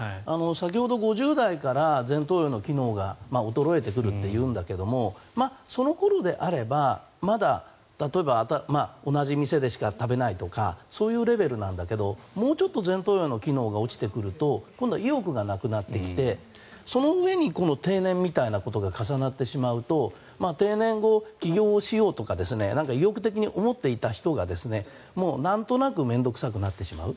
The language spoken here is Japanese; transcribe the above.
先ほど、５０代から前頭葉の機能が衰えてくるというんだけどその頃であればまだ例えば、同じ店でしか食べないとかそういうレベルなんだけどもうちょっと前頭葉の機能が落ちてくると今度は意欲がなくなってきてその上にこの定年みたいなことが重なってしまうと定年後、起業をしようとか意欲的に思っていた人がなんとなく面倒臭くなってしまう。